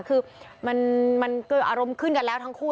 คือมันเกิดอารมณ์ขึ้นกันแล้วทั้งคู่